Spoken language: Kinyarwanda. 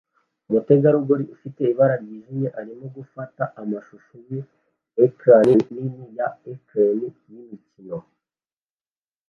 Umutegarugori ufite ibara ryijimye arimo gufata amashusho ya ecran nini ya ecran yimikino